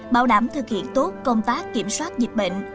bảo đảm thực hiện tốt công tác kiểm soát dịch bệnh